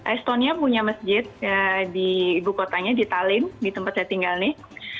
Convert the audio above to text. estonia punya masjid di ibukotanya di tallinn di tempat saya tinggal nih